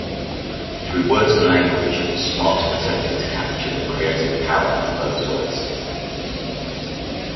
Through words and language, Smart attempted to capture the creative power of those words.